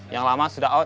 yang lama sudah out